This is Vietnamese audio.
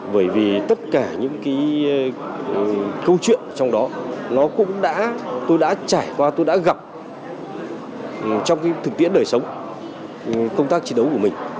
bởi vì tất cả những câu chuyện trong đó tôi đã trải qua tôi đã gặp trong thực tiễn đời sống công tác chiến đấu của mình